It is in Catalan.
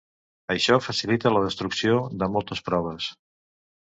Això facilita la destrucció de moltes proves.